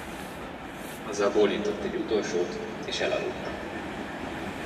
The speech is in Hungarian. Azzal bólintott egy utolsót, és elaludt.